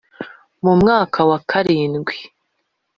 Mu mwaka wa karindwi